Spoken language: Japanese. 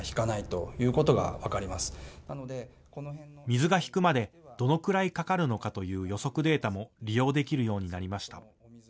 水が引くまでどのくらいかかるのかという予測データも利用できるようになりました。